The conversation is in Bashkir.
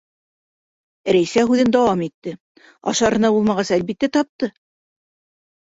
Рәйсә һүҙен дауам итте: - Ашарына булмағас, әлбиттә, тапты.